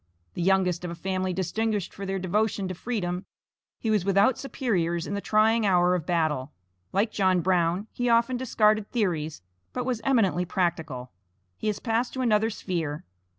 The youngest of a family distinguished for their devotion to freedom, he was without superiors in the trying hour of battle. Like John Brown, he often discarded theories, but was eminently practical. He has passed to another sphere.